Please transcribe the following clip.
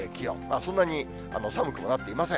そんなに寒くもなっていません。